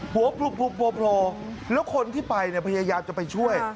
โพรแล้วคนที่ไปพยายามจะไปช่วย